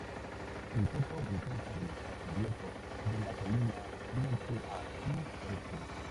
El coto ventoso del espacio abierto de la colina miente a su oeste.